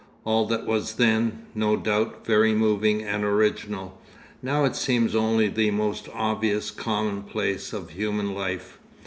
All that was then, no doubt, very moving and original; now it seems only the most obvious commonplace of human life.